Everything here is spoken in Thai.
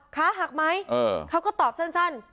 ขาหักไหมเขาก็ตอบสั้น